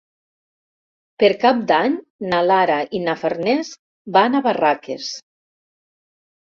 Per Cap d'Any na Lara i na Farners van a Barraques.